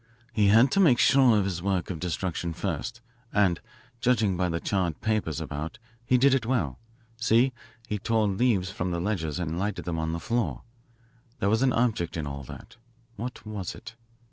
"He had to make sure of his work of destruction first and, judging by the charred papers about, he did it well. See, he tore leaves from the ledgers and lighted them on the floor. There was an object in all that. What was it?